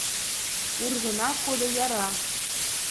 Урзына кодо яра.